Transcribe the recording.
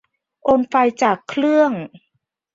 โอนไฟล์จากเครื่อง